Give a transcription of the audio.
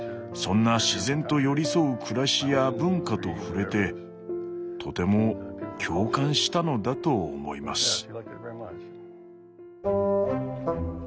そんな自然と寄り添う暮らしや文化と触れてとても共感したのだと思います。